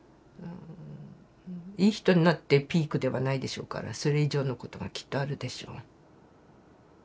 いい人になってピークではないでしょうからそれ以上のことがきっとあるでしょう。